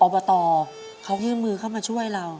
อบตเขายื่นมือเข้ามาช่วยเรา